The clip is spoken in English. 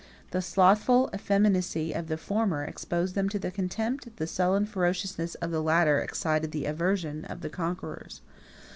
42 The slothful effeminacy of the former exposed them to the contempt, the sullen ferociousness of the latter excited the aversion, of the conquerors.